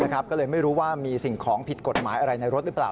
ก็เลยไม่รู้ว่ามีสิ่งของผิดกฎหมายอะไรในรถหรือเปล่า